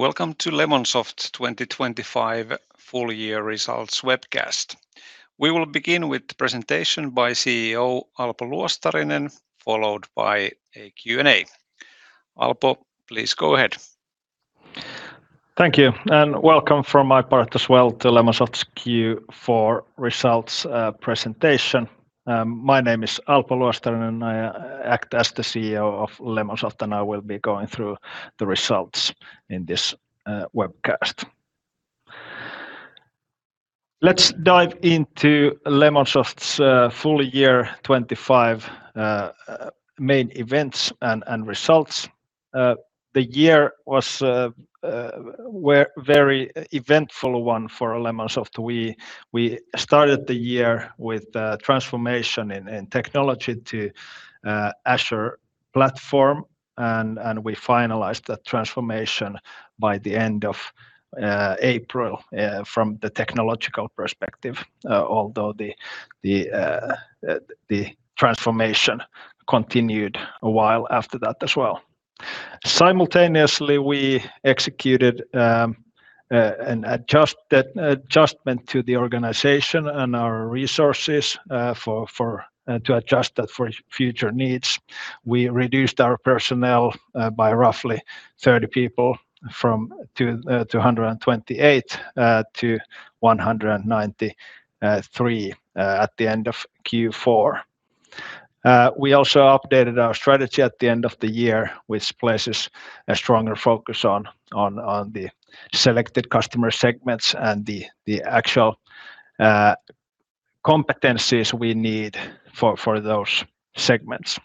Welcome to Lemonsoft's 2025 full year results webcast. We will begin with the presentation by CEO Alpo Luostarinen, followed by a Q&A. Alpo, please go ahead. Thank you, and welcome from my part as well to Lemonsoft's Q4 results presentation. My name is Alpo Luostarinen, and I act as the CEO of Lemonsoft, and I will be going through the results in this webcast. Let's dive into Lemonsoft's full year 2025 main events and results. The year was very eventful one for Lemonsoft. We started the year with a transformation in technology to Azure platform, and we finalized that transformation by the end of April from the technological perspective, although the transformation continued a while after that as well. Simultaneously, we executed an adjustment to the organization and our resources to adjust that for future needs. We reduced our personnel by roughly 30 people from 228 to 193 at the end of Q4. We also updated our strategy at the end of the year, which places a stronger focus on the selected customer segments and the actual competencies we need for those segments.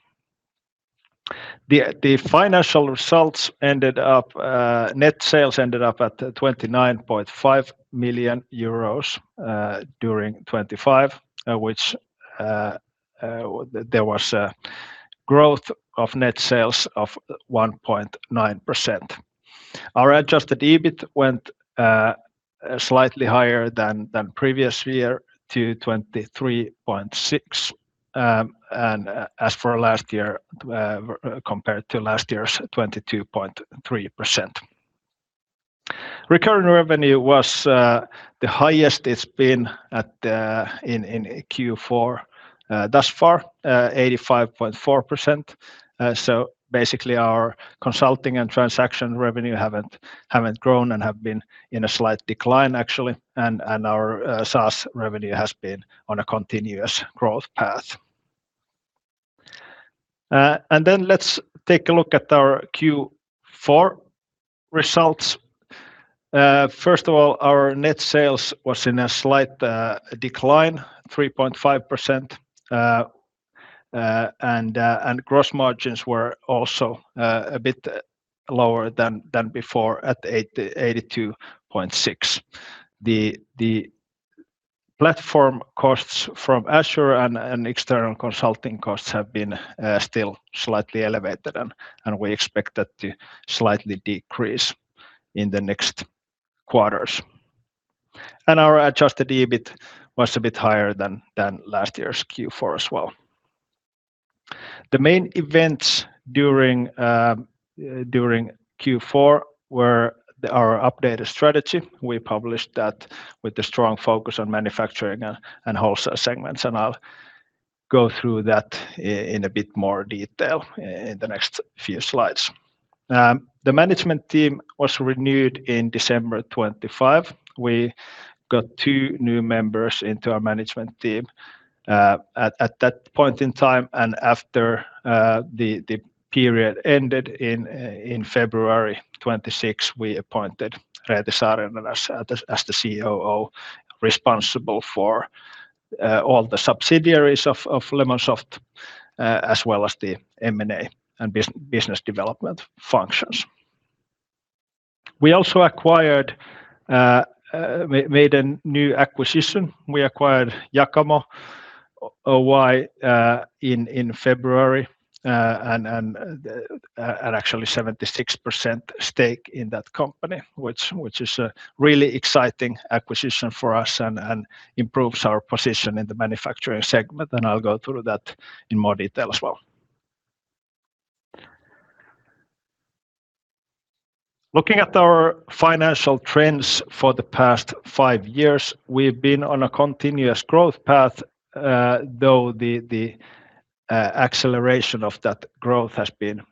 The financial results ended up... Net sales ended up at 29.5 million euros during 2025, which there was a growth of net sales of 1.9%. Our adjusted EBIT went slightly higher than previous year to 23.6%, and as for last year compared to last year's 22.3%. Recurring revenue was the highest it's been at in Q4 thus far, 85.4%. So basically our consulting and transaction revenue haven't grown and have been in a slight decline, actually, and our SaaS revenue has been on a continuous growth path. And then let's take a look at our Q4 results. First of all, our net sales was in a slight decline, 3.5%, and gross margins were also a bit lower than before at 82.6%. The platform costs from Azure and external consulting costs have been still slightly elevated, and we expect that to slightly decrease in the next quarters. And our adjusted EBIT was a bit higher than last year's Q4 as well. The main events during Q4 were our updated strategy. We published that with a strong focus on manufacturing and wholesale segments, and I'll go through that in a bit more detail in the next few slides. The management team was renewed in December 2025. We got two new members into our management team, at that point in time, and after the period ended in February 2026, we appointed Reetta Saarinen as the COO, responsible for all the subsidiaries of Lemonsoft, as well as the M&A and business development functions. We also acquired made a new acquisition. We acquired Jakamo Oy in February, and actually 76% stake in that company, which is a really exciting acquisition for us and improves our position in the manufacturing segment, and I'll go through that in more detail as well. Looking at our financial trends for the past five years, we've been on a continuous growth path, though the acceleration of that growth has been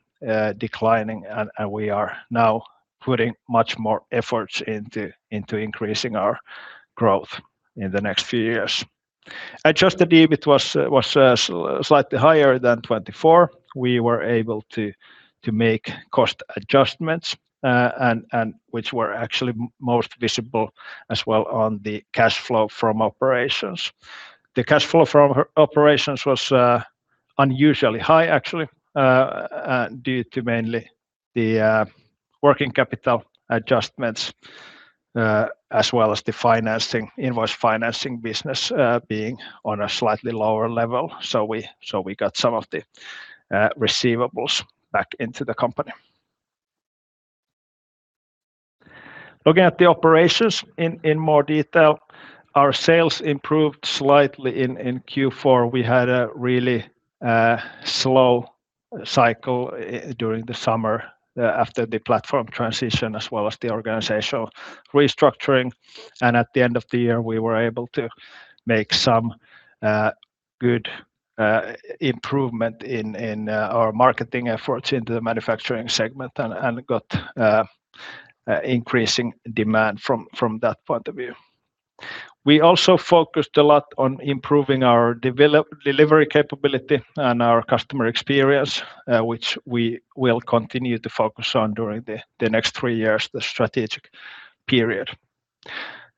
declining, and we are now putting much more efforts into increasing our growth in the next few years. Adjusted EBIT was slightly higher than 24. We were able to make cost adjustments, and which were actually most visible as well on the cash flow from operations. The cash flow from operations was unusually high, actually, due to mainly the working capital adjustments, as well as the financing, invoice financing business being on a slightly lower level. So we got some of the receivables back into the company. Looking at the operations in more detail, our sales improved slightly in Q4. We had a really slow cycle during the summer after the platform transition, as well as the organizational restructuring. And at the end of the year, we were able to make some good improvement in our marketing efforts into the manufacturing segment and got increasing demand from that point of view. We also focused a lot on improving our delivery capability and our customer experience, which we will continue to focus on during the next three years, the strategic period.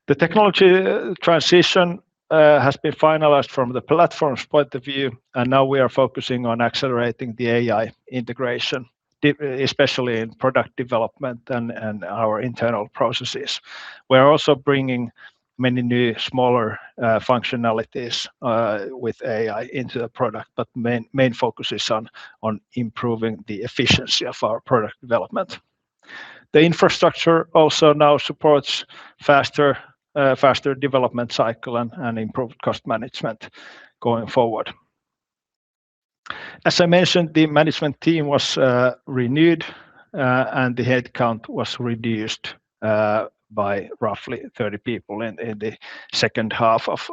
The technology transition has been finalized from the platform's point of view, and now we are focusing on accelerating the AI integration, especially in product development and our internal processes. We're also bringing many new, smaller functionalities with AI into the product, but main focus is on improving the efficiency of our product development. The infrastructure also now supports faster development cycle and improved cost management going forward. As I mentioned, the management team was renewed, and the headcount was reduced by roughly 30 people in the second half of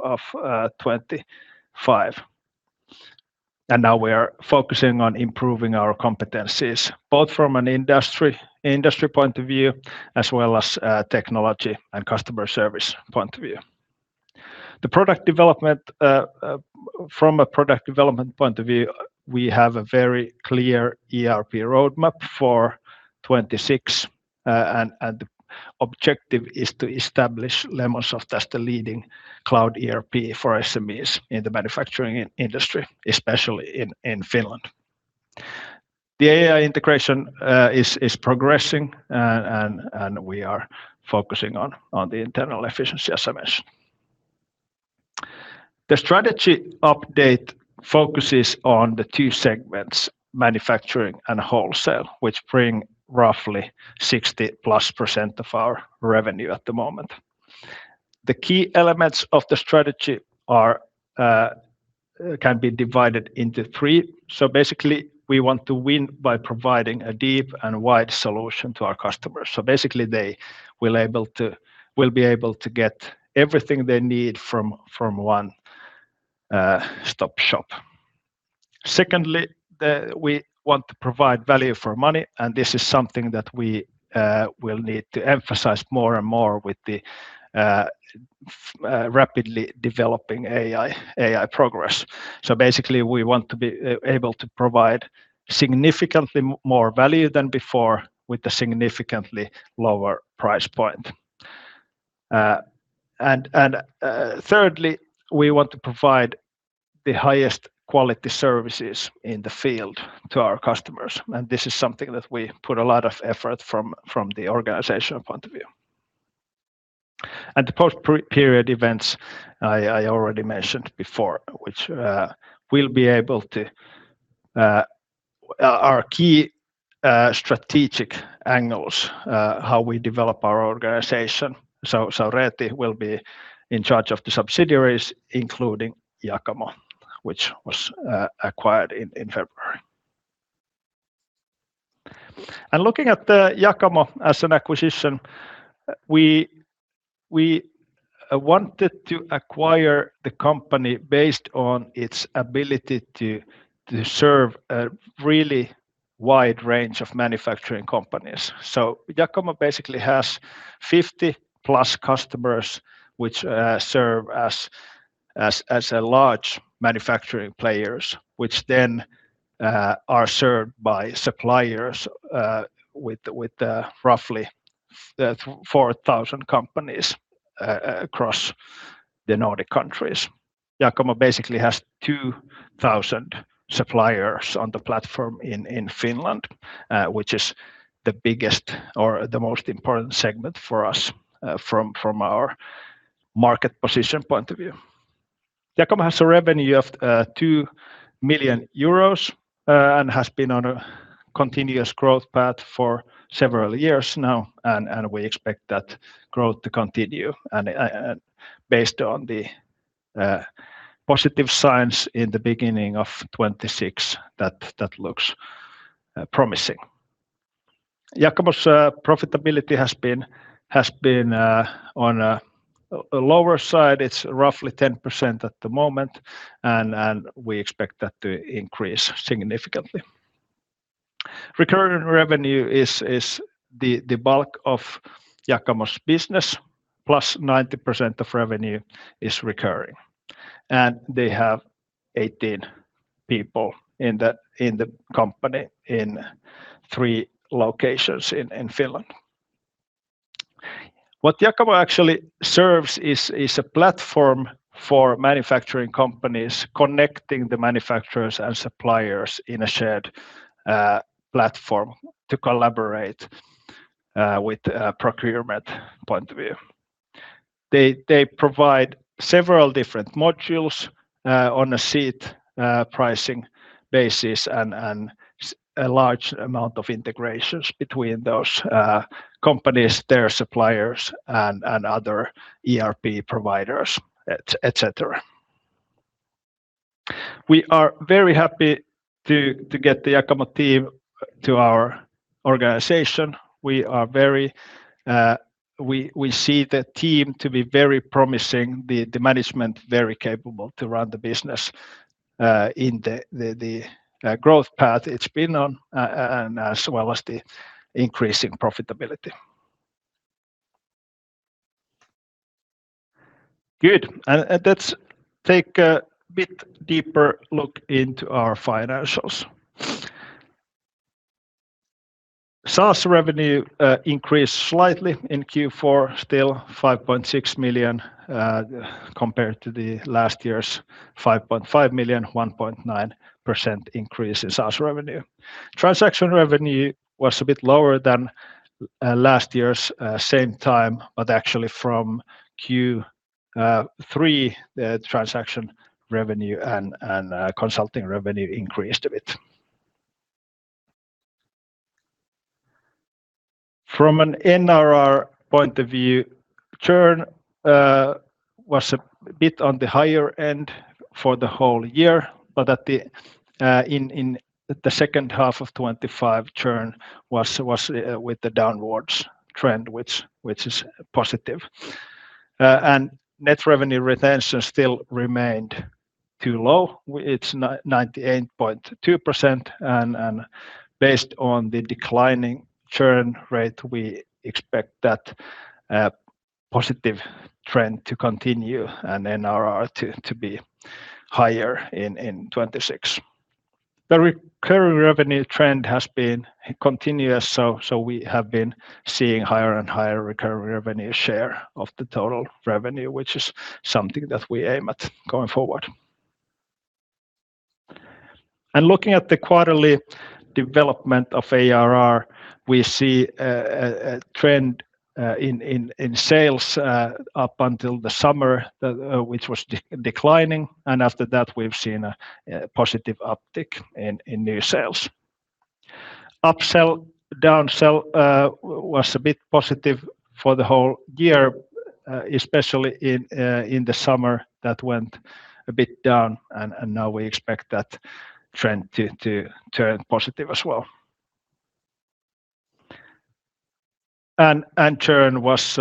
2025. And now we are focusing on improving our competencies, both from an industry, industry point of view, as well as, technology and customer service point of view. The product development, from a product development point of view, we have a very clear ERP roadmap for 2026, and the objective is to establish Lemonsoft as the leading cloud ERP for SMEs in the manufacturing industry, especially in Finland. The AI integration is progressing, and we are focusing on the internal efficiency SMEs. The strategy update focuses on the two segments: manufacturing and wholesale, which bring roughly 60%+ of our revenue at the moment. The key elements of the strategy are, can be divided into three. So basically, we want to win by providing a deep and wide solution to our customers. So basically, they will be able to get everything they need from one stop shop. Secondly, we want to provide value for money, and this is something that we will need to emphasize more and more with the rapidly developing AI progress. So basically, we want to be able to provide significantly more value than before, with a significantly lower price point. And thirdly, we want to provide the highest quality services in the field to our customers, and this is something that we put a lot of effort from the organizational point of view. And the post-period events, I already mentioned before, which we'll be able to. Our key strategic angles, how we develop our organization. Reetta will be in charge of the subsidiaries, including Jakamo, which was acquired in February. Looking at the Jakamo as an acquisition, we wanted to acquire the company based on its ability to serve a really wide range of manufacturing companies. So Jakamo basically has 50+ customers which serve as a large manufacturing players, which then are served by suppliers with roughly 4,000 companies across the Nordic countries. Jakamo basically has 2,000 suppliers on the platform in Finland, which is the biggest or the most important segment for us from our market position point of view. Jakamo has a revenue of 2 million euros and has been on a continuous growth path for several years now, and we expect that growth to continue. Based on the positive signs in the beginning of 2026, that looks promising. Jakamo's profitability has been on a lower side. It's roughly 10% at the moment, and we expect that to increase significantly. Recurring revenue is the bulk of Jakamo's business, plus 90% of revenue is recurring, and they have 18 people in the company in 3 locations in Finland. What Jakamo actually serves is a platform for manufacturing companies, connecting the manufacturers and suppliers in a shared platform to collaborate with a procurement point of view. They provide several different modules on a seat pricing basis, and a large amount of integrations between those companies, their suppliers, and other ERP providers, et cetera. We are very happy to get the Jakamo team to our organization. We are very, we see the team to be very promising, the management very capable to run the business in the growth path it's been on, and as well as the increase in profitability. Good. Let's take a bit deeper look into our financials. SaaS revenue increased slightly in Q4, still 5.6 million compared to the last year's 5.5 million, 1.9% increase in SaaS revenue. Transaction revenue was a bit lower than last year's same time, but actually from Q3, the transaction revenue and consulting revenue increased a bit. From an NRR point of view, churn was a bit on the higher end for the whole year, but in the second half of 2025, churn was with the downwards trend, which is positive. And net revenue retention still remained too low. It's 98.2%, and based on the declining churn rate, we expect that positive trend to continue and NRR to be higher in 2026. The recurring revenue trend has been continuous, so we have been seeing higher and higher recurring revenue share of the total revenue, which is something that we aim at going forward. Looking at the quarterly development of ARR, we see a trend in sales up until the summer, which was declining, and after that, we've seen a positive uptick in new sales. Upsell, downsell was a bit positive for the whole year, especially in the summer that went a bit down, and now we expect that trend to turn positive as well. Churn was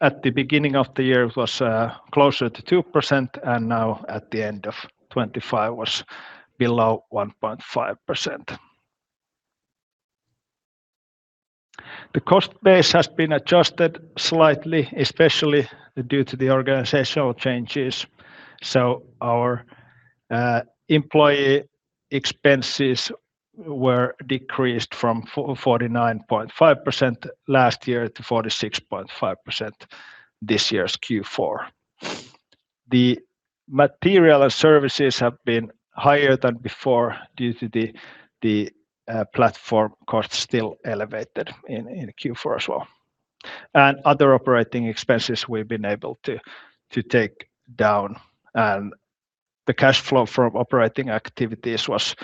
at the beginning of the year closer to 2%, and now at the end of 2025, was below 1.5%. The cost base has been adjusted slightly, especially due to the organizational changes. Our employee expenses were decreased from 49.5% last year to 46.5% this year's Q4. The material and services have been higher than before due to the platform cost still elevated in Q4 as well. Other operating expenses we've been able to take down, and the cash flow from operating activities was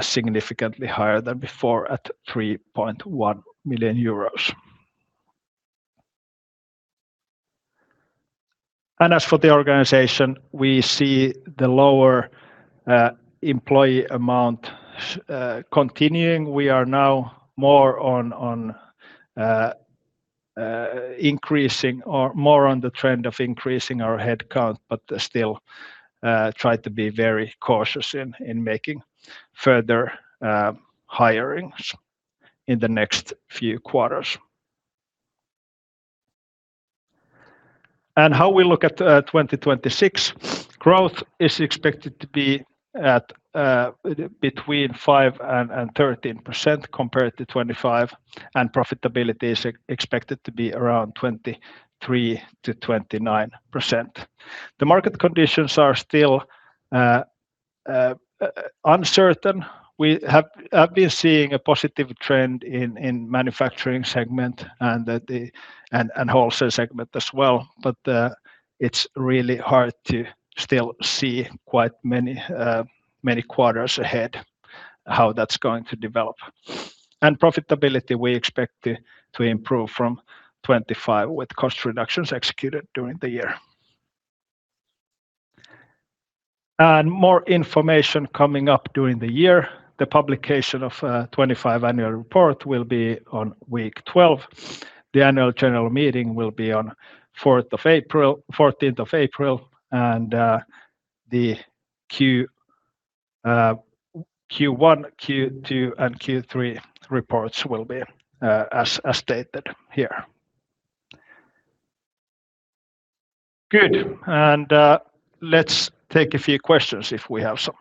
significantly higher than before at 3.1 million euros. As for the organization, we see the lower employee amount continuing. We are now more on the trend of increasing our headcount, but still try to be very cautious in making further hirings in the next few quarters. How we look at 2026, growth is expected to be at between 5% and 13% compared to 2025, and profitability is expected to be around 23%-29%. The market conditions are still uncertain. We have been seeing a positive trend in manufacturing segment and wholesale segment as well, but it's really hard to still see quite many quarters ahead, how that's going to develop. And profitability, we expect it to improve from 2025, with cost reductions executed during the year. And more information coming up during the year. The publication of 2025 annual report will be on week 12. The annual general meeting will be on fourth of April - fourteenth of April, and the Q1, Q2, and Q3 reports will be as stated here. Good. And let's take a few questions if we have some.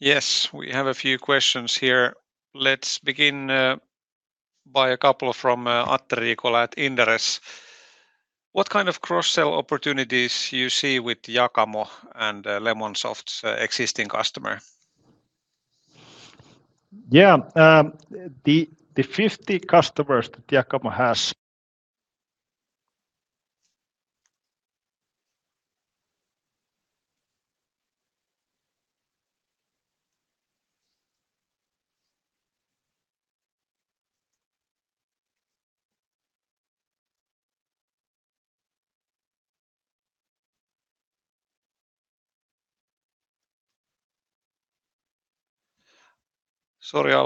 Yes, we have a few questions here. Let's begin by a couple from Atte Riikola at Inderes. What kind of cross-sell opportunities you see with Jakamo and Lemonsoft's existing customer? Yeah, the 50 customers that Jakamo has- Okay.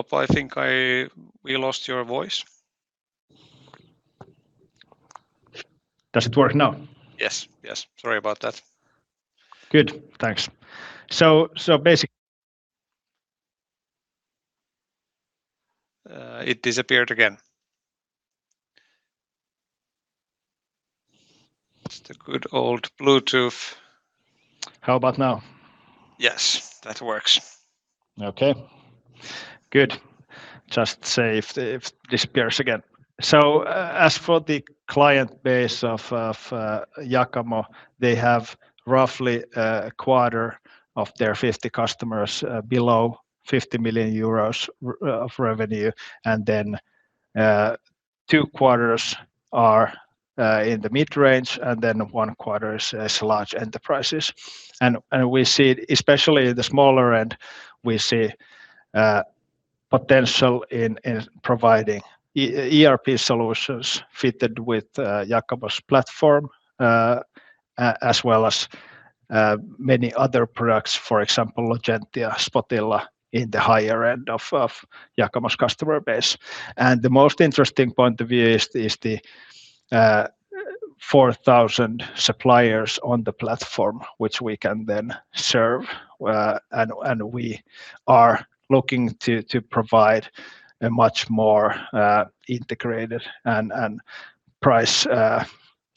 Good. Just say if it disappears again. So, as for the client base of Jakamo, they have roughly a quarter of their 50 customers below 50 million euros of revenue, and then two quarters are in the mid-range, and then one quarter is large enterprises. And we see especially the smaller end, we see potential in providing ERP solutions fitted with Jakamo's platform, as well as many other products, for example, Logentia, Spotilla, in the higher end of Jakamo's customer base. The most interesting point of view is the 4,000 suppliers on the platform, which we can then serve, and we are looking to provide a much more integrated and price,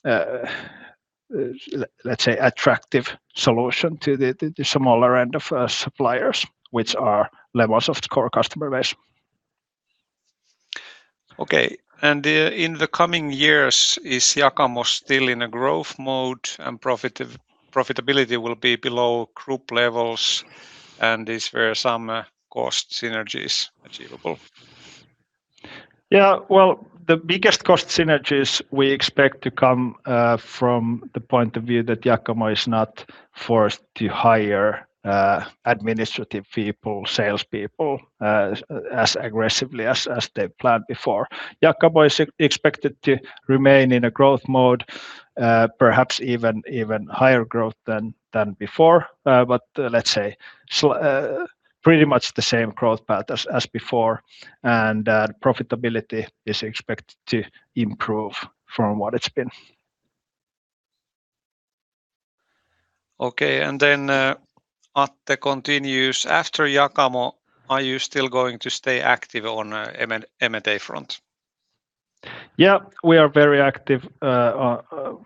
let's say, attractive solution to the smaller end of suppliers, which are Lemonsoft's core customer base. Okay, and in the coming years, is Jakamo still in a growth mode and profitability will be below group levels, and is there some cost synergies achievable? Yeah, well, the biggest cost synergies we expect to come from the point of view that Jakamo is not forced to hire administrative people, salespeople, as aggressively as they planned before. Jakamo is expected to remain in a growth mode, perhaps even higher growth than before. But let's say pretty much the same growth path as before, and profitability is expected to improve from what it's been. Okay, and then, Atte continues, "After Jakamo, are you still going to stay active on, M&A front? Yeah, we are very active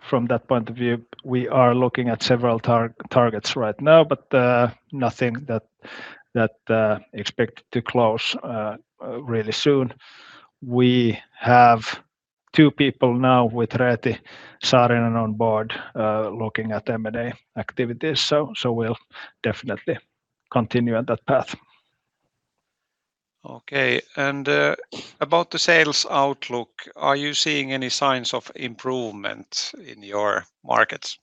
from that point of view. We are looking at several targets right now, but nothing that expected to close really soon. We have two people now with Reetta Saarinen on board looking at M&A activities, so we'll definitely continue on that path. Okay, and, about the sales outlook, are you seeing any signs of improvement in your markets?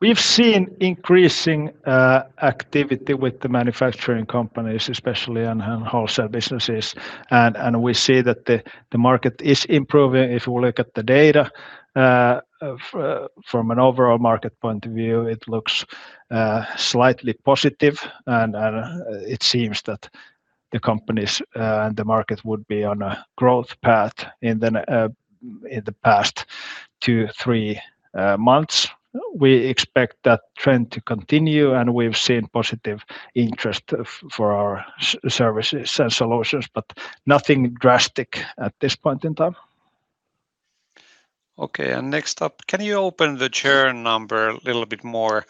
We've seen increasing activity with the manufacturing companies, especially in wholesale businesses, and we see that the market is improving. If you look at the data, from an overall market point of view, it looks slightly positive, and it seems that the companies and the market would be on a growth path in the past two, three months. We expect that trend to continue, and we've seen positive interest for our services and solutions, but nothing drastic at this point in time. Okay, and next up, can you open the churn number a little bit more?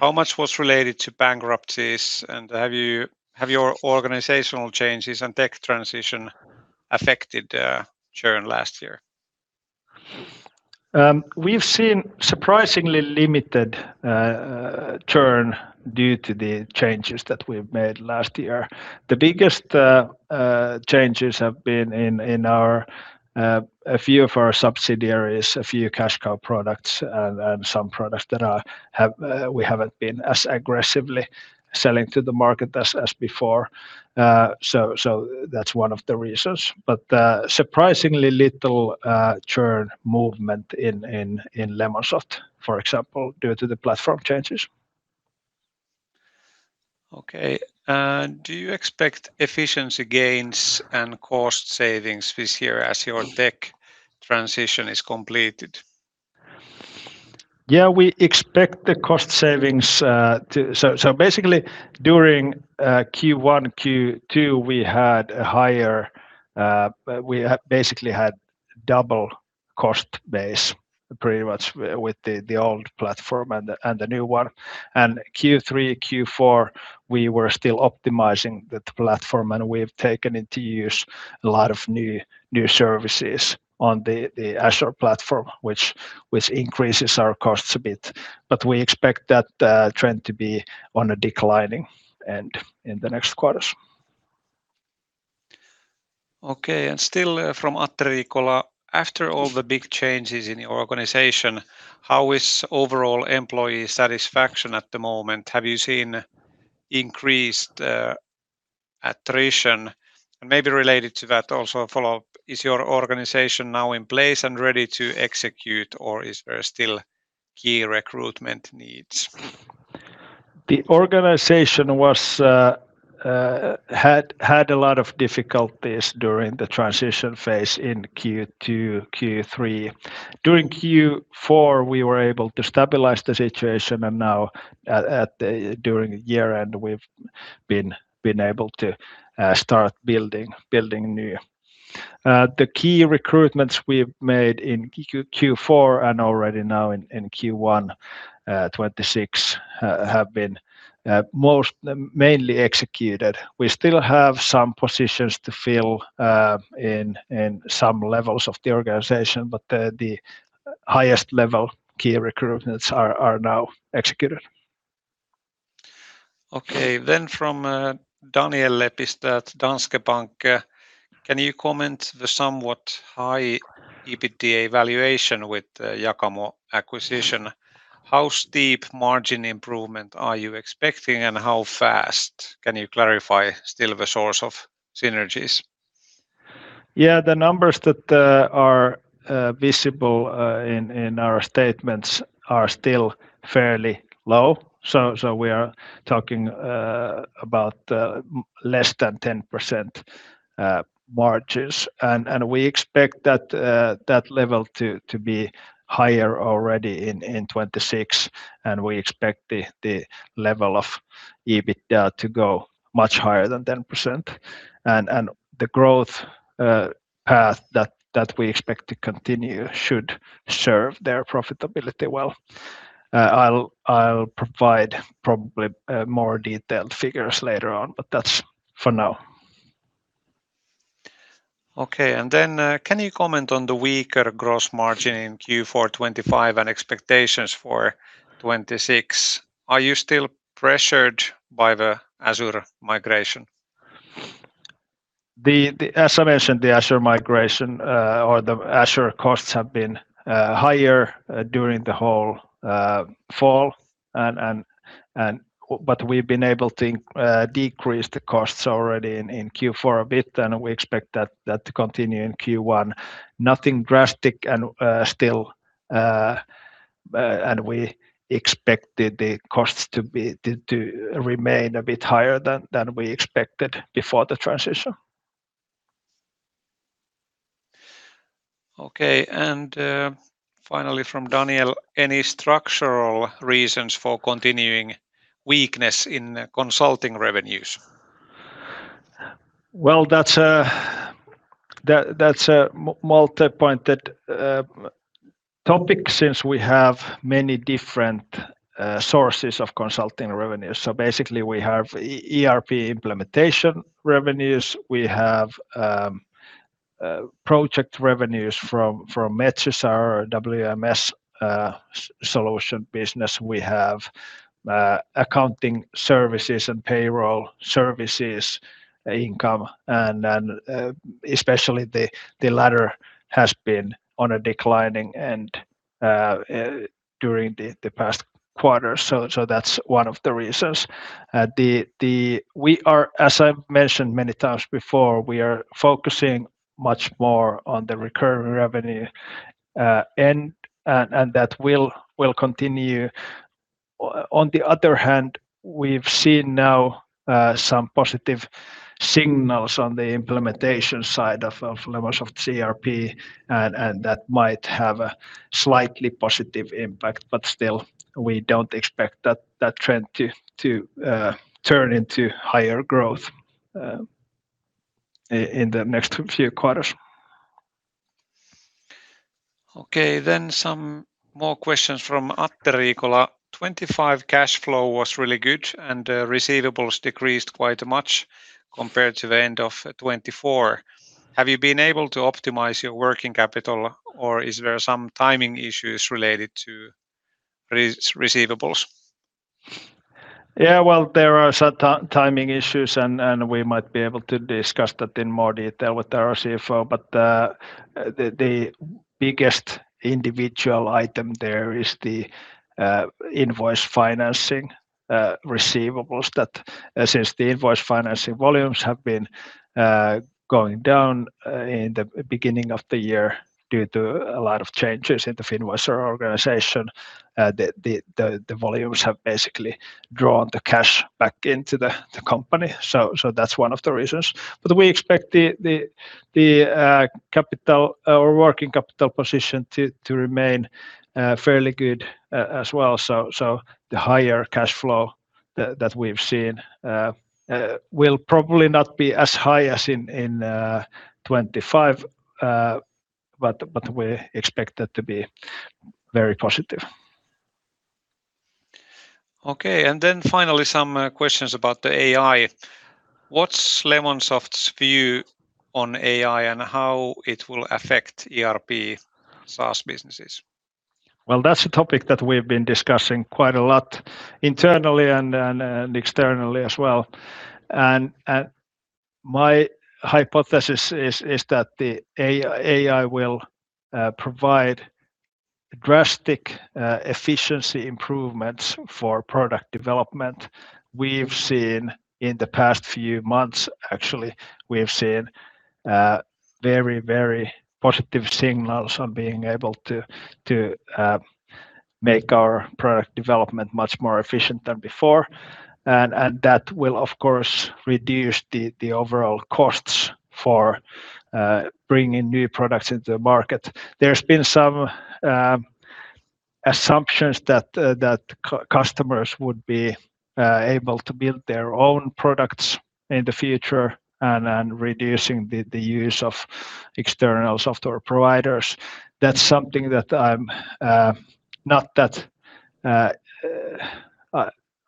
How much was related to bankruptcies, and have you... Have your organizational changes and tech transition affected, churn last year? We've seen surprisingly limited churn due to the changes that we've made last year. The biggest changes have been in our few subsidiaries, a few cash cow products, and some products that we haven't been as aggressively selling to the market as before. That's one of the reasons, but surprisingly little churn movement in Lemonsoft, for example, due to the platform changes. Okay, and do you expect efficiency gains and cost savings this year as your tech transition is completed? Yeah, we expect the cost savings. So basically, during Q1, Q2, we had a higher, we basically had double cost base pretty much with the old platform and the new one. And Q3, Q4, we were still optimizing the platform, and we've taken into use a lot of new services on the Azure platform, which increases our costs a bit. But we expect that trend to be on a declining end in the next quarters. Okay, and still from Atte Riikola, after all the big changes in your organization, how is overall employee satisfaction at the moment? Have you seen increased satisfaction, attrition, and maybe related to that also a follow-up: Is your organization now in place and ready to execute, or is there still key recruitment needs? The organization had a lot of difficulties during the transition phase in Q2, Q3. During Q4, we were able to stabilize the situation, and now during the year end, we've been able to start building new. The key recruitments we've made in Q4 and already now in Q1 2026 have been most mainly executed. We still have some positions to fill in some levels of the organization, but the highest level key recruitments are now executed. Okay. Then from Daniel Lepistö at Danske Bank, can you comment the somewhat high EBITDA valuation with Jakamo acquisition? How steep margin improvement are you expecting, and how fast? Can you clarify still the source of synergies? Yeah, the numbers that are visible in our statements are still fairly low. So we are talking about less than 10% margins. And we expect that level to be higher already in 2026, and we expect the level of EBITDA to go much higher than 10%. And the growth path that we expect to continue should serve their profitability well. I'll provide probably more detailed figures later on, but that's for now. Okay, and then, can you comment on the weaker gross margin in Q4 2025 and expectations for 2026? Are you still pressured by the Azure migration? As I mentioned, the Azure migration or the Azure costs have been higher during the whole fall. But we've been able to decrease the costs already in Q4 a bit, and we expect that to continue in Q1. Nothing drastic and still, and we expect the costs to remain a bit higher than we expected before the transition. Okay, and, finally, from Daniel: Any structural reasons for continuing weakness in consulting revenues? Well, that's a multipointed topic since we have many different sources of consulting revenues. So basically, we have ERP implementation revenues. We have project revenues from Mercus WMS solution business. We have accounting services and payroll services income, and then especially the latter has been on a declining end during the past quarter. So that's one of the reasons. We are, as I've mentioned many times before, focusing much more on the recurring revenue end, and that will continue. On the other hand, we've seen now some positive signals on the implementation side of Lemonsoft ERP, and that might have a slightly positive impact, but still, we don't expect that trend to turn into higher growth in the next few quarters. Okay, then some more questions from Atte Riikola. 2025 cash flow was really good, and receivables decreased quite much compared to the end of 2024. Have you been able to optimize your working capital, or is there some timing issues related to receivables? Yeah, well, there are some timing issues, and we might be able to discuss that in more detail with our CFO. But the biggest individual item there is the invoice financing receivables that since the invoice financing volumes have been going down in the beginning of the year due to a lot of changes in the Finvoicer organization, the volumes have basically drawn the cash back into the company. So that's one of the reasons. But we expect the capital or working capital position to remain fairly good as well. So the higher cash flow that we've seen will probably not be as high as in 2025, but we expect it to be very positive. Okay, and then finally, some questions about the AI. What's Lemonsoft's view on AI and how it will affect ERP SaaS businesses? Well, that's a topic that we've been discussing quite a lot internally and externally as well. And my hypothesis is that AI will provide drastic efficiency improvements for product development. We've seen, in the past few months, actually, we have seen very, very positive signals on being able to make our product development much more efficient than before. And that will, of course, reduce the overall costs for bringing new products into the market. There's been some assumptions that customers would be able to build their own products in the future and reducing the use of external software providers. That's something that I'm not that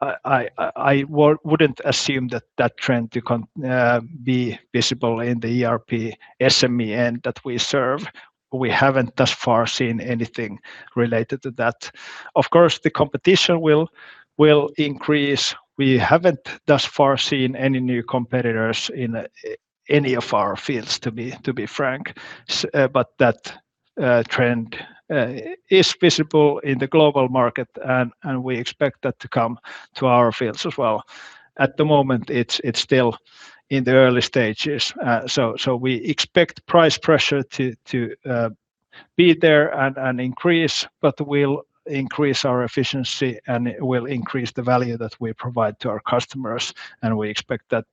I wouldn't assume that that trend to be visible in the ERP SME end that we serve. We haven't, thus far, seen anything related to that. Of course, the competition will increase. We haven't, thus far, seen any new competitors in any of our fields, to be frank. But that trend is visible in the global market, and we expect that to come to our fields as well. At the moment, it's still in the early stages. So we expect price pressure to be there and increase, but we'll increase our efficiency, and it will increase the value that we provide to our customers, and we expect that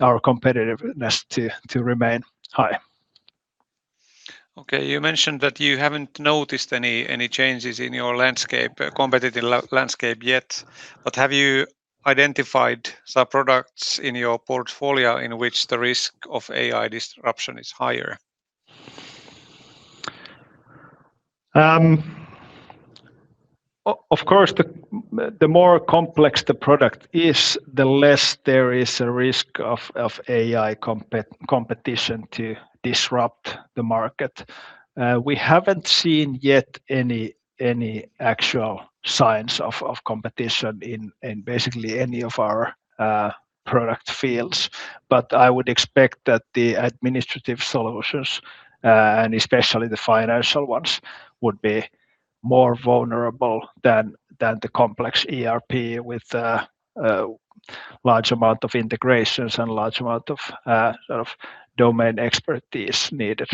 our competitiveness to remain high. Okay, you mentioned that you haven't noticed any changes in your landscape, competitive landscape yet, but have you identified some products in your portfolio in which the risk of AI disruption is higher? Of course, the more complex the product is, the less there is a risk of AI competition to disrupt the market. We haven't seen yet any actual signs of competition in basically any of our product fields. But I would expect that the administrative solutions and especially the financial ones would be more vulnerable than the complex ERP with a large amount of integrations and large amount of domain expertise needed.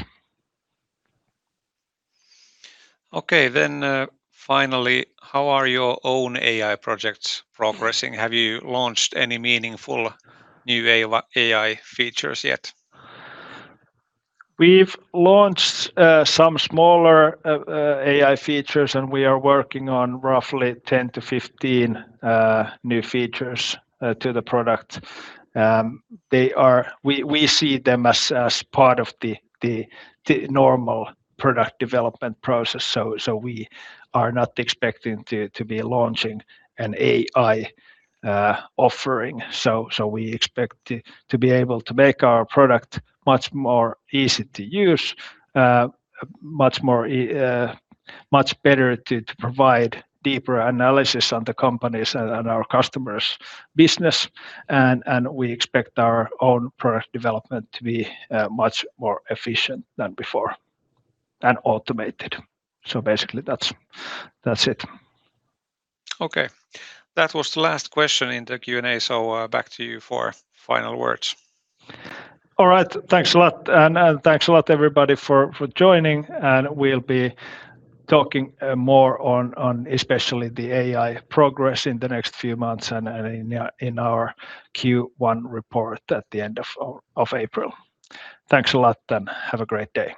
Okay, then, finally, how are your own AI projects progressing? Have you launched any meaningful new AI, AI features yet? We've launched some smaller AI features, and we are working on roughly 10 to 15 new features to the product. They are... We see them as part of the normal product development process, so we are not expecting to be launching an AI offering. So we expect to be able to make our product much more easy to use, much better to provide deeper analysis on the companies and our customers' business, and we expect our own product development to be much more efficient than before, and automated. So basically, that's it. Okay. That was the last question in the Q&A, so, back to you for final words. All right. Thanks a lot, and thanks a lot, everybody, for joining, and we'll be talking more on especially the AI progress in the next few months, and in our Q1 report at the end of April. Thanks a lot, and have a great day.